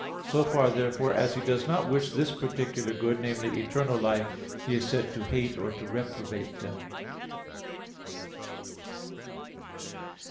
So far, therefore, as He does not wish this particular good namely, eternal life He is said to hate or reprobated them.